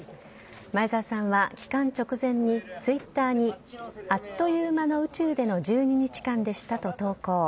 前澤さんは帰還直前に、ツイッターに、あっという間の宇宙での１２日間でしたと投稿。